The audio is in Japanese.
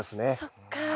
そっか。